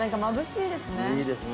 いいですね。